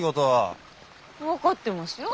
分かってますよ。